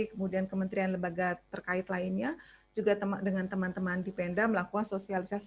kemudian kementerian lebaga terkait lainnya juga dengan teman teman di pemda melakukan sosialisasi